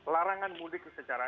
larangan mudik secara